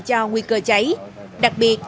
cho nguy cơ cháy đặc biệt